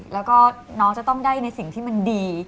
แล้วก็น้องจะต้องได้ในสิ่งที่มันดี